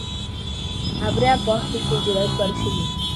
Abri a porta e fui direto pro chuveiro.